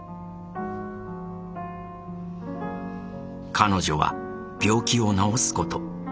彼女は病気を治すこと。